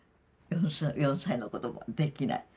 ４歳の子どもはできない。